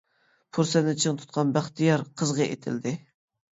پۇرسەتنى چىڭ تۇتقان بەختىيار قىزغا ئېتىلدى.